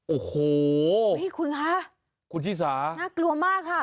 โอ้โหคุณฮะนักกลัวมากค่ะคุณฮีสา